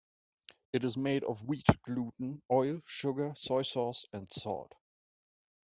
It is made of wheat gluten, oil, sugar, soy sauce, and salt.